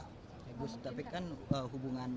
pak gustaf tapi kan hubungan